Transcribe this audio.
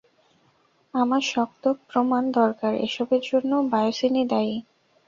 আমার শক্ত প্রমাণ দরকার এসবের জন্য বায়োসিন-ই দায়ী।